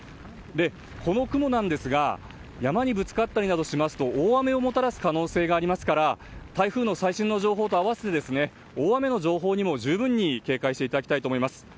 この雲なんですが山にぶつかったりなどしますと大雨をもたらす可能性がありますから台風の最新の情報と併せて大雨の情報にも十分に警戒していただきたいと思います。